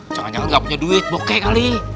jangan jangan gak punya duit bokeh kali